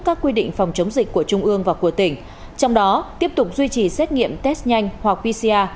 các quy định phòng chống dịch của trung ương và của tỉnh trong đó tiếp tục duy trì xét nghiệm test nhanh hoặc pcr